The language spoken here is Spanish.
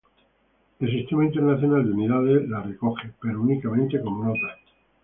El Sistema Internacional de Unidades la recoge, pero únicamente como nota.